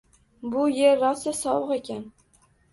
— Bu yer rosa sovuq ekan.